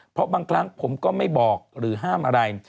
เพราะบางครั้งผมก็ไม่บอกหรือห้ามอะไร